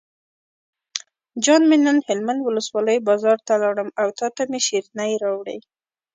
جان مې نن هلمند ولسوالۍ بازار ته لاړم او تاته مې شیرینۍ راوړې.